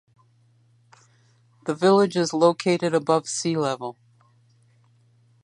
The village is located above sea level.